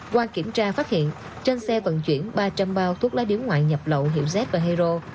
qua kiểm tra phát hiện trên xe vận chuyển ba trăm linh bao thuốc lá điếu ngoại nhập lậu hiệu z và hero